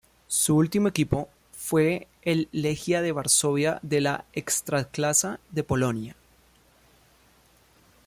Su último equipo fue el Legia de Varsovia de la Ekstraklasa de Polonia.